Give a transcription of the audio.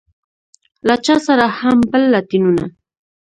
له چا سره هم بل لاټينونه.